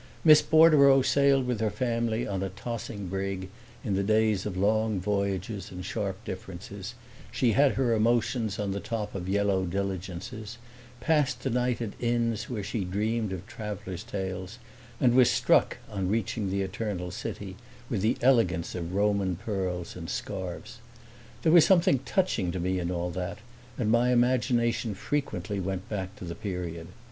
Miss Bordereau sailed with her family on a tossing brig, in the days of long voyages and sharp differences; she had her emotions on the top of yellow diligences, passed the night at inns where she dreamed of travelers' tales, and was struck, on reaching the Eternal City, with the elegance of Roman pearls and scarfs. There was something touching to me in all that, and my imagination frequently went back to the period.